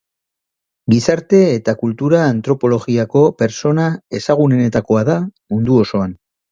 Gizarte- eta kultura-antropologiako pertsona ezagunenetakoa da mundu osoan.